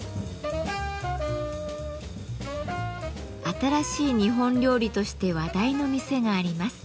新しい日本料理として話題の店があります。